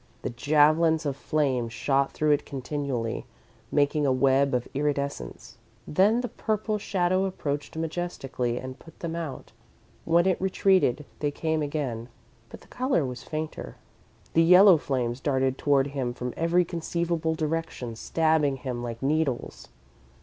The javelins of flame shot through it continually, making a web of iridescence. Then the purple shadow approached majestically and put them out. When it retreated, they came again, but the colour was fainter. The yellow flames darted toward him from every conceivable direction, stabbing him like needles.